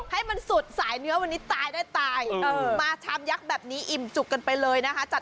ให้มันสุดสายเนื้อวันนี้ตายได้ตายมาชามยักษ์แบบนี้อิ่มจุกกันไปเลยนะคะ